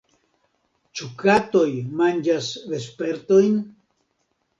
Ĉu katoj manĝas vespertojn?